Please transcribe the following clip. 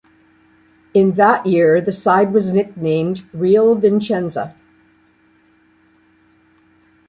In that year the side was nicknamed "Real Vicenza".